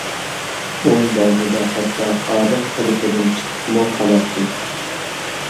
ئۇ بەزىدە ھەتتا ئادەم قېلىپىدىن چىقىپمۇ قالاتتى.